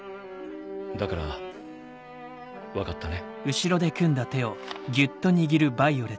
だから分かったね。